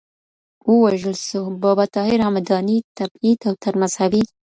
ووژل سو. بابا طاهر همداني – تبعید او تر مذهبي